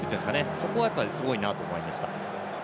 そこはすごいなと思いました。